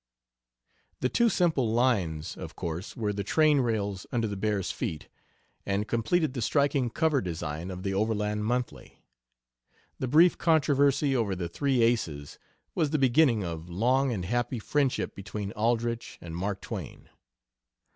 The "two simple lines," of course, were the train rails under the bear's feet, and completed the striking cover design of the Overland monthly. The brief controversy over the "Three Aces" was the beginning of along and happy friendship between Aldrich and Mark Twain.